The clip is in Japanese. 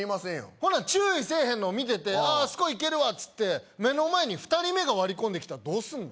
ほな注意せえへんのを見てて「あああそこイケるわ」つって目の前に２人目が割り込んできたらどうすんの？